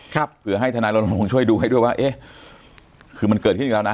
ครับเผื่อให้ธนายโรนโลงช่วยดูให้ด้วยว่าเอ๊ะคือมันเกิดที่นี่แล้วน่ะ